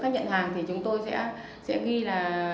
khách nhận khi nhận hàng thì chúng tôi sẽ ghi là